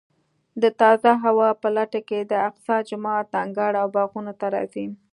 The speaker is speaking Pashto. د تازه هوا په لټه کې د اقصی جومات انګړ او باغونو ته راځي.